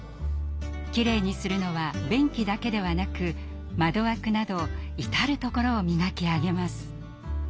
きれいにするのは便器だけではなく窓枠など至る所を磨き上げます。